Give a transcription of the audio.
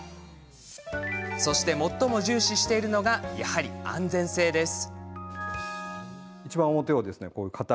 そして、最も重視しているのがやはり安全性です。